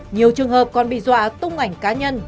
nhiều trường hợp còn bị dọa tung ảnh cá nhân